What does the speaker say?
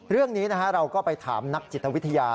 เรื่องนี้เราก็ไปถามนักจิตวิทยา